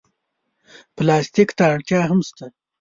پلاستيک ته اړتیا هم شته.